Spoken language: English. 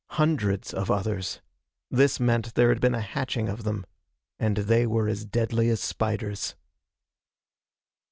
Hundreds of others. This meant there had been a hatching of them. And they were as deadly as spiders.